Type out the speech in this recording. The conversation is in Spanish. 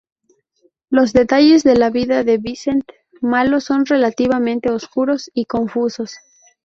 Los detalles de la vida de Vincent Malo son relativamente oscuros y confusos.